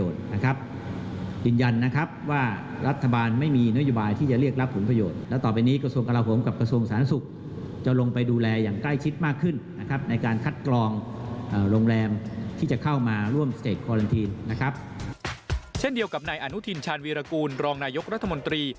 เช่นเดียวกับไนธ์อนุฒิรภาพชาญวีรกรรองนายกฤษฎรัฐมนตรี